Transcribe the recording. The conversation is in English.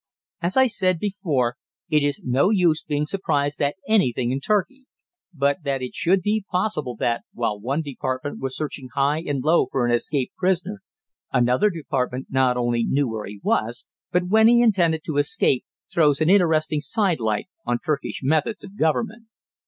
As I said before, it is no use being surprised at anything in Turkey; but that it should be possible that, while one department was searching high and low for an escaped prisoner, another department not only knew where he was but when he intended to escape, throws an interesting sidelight on Turkish methods of government.